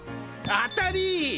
当たり！